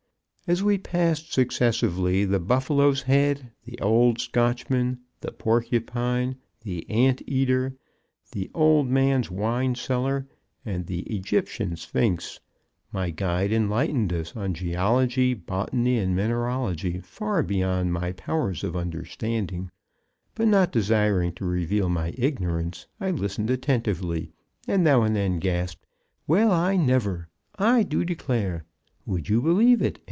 As we passed successively the "Buffalo's head," the "old Scotchman," the "Porcupine," the "Ant Eater," the "old man's wine cellar" and the "Egyptian Sphinx" my guide enlightened us on geology, botany and mineralogy far beyond my powers of understanding, but not desiring to reveal my ignorance, I listened attentively, and now and then gasped: "Well, I never!" "I do declare!" "Would you believe it!"